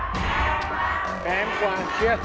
แพงกว่าแพงกว่าแพงกว่าแพงกว่า